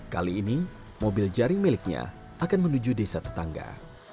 kali ini mobil jaring miliknya akan menuju desa tetangga